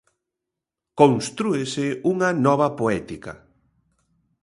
Constrúese unha nova poética.